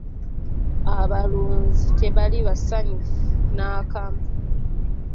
Abalunzi tebaali basanyufu n'akamu.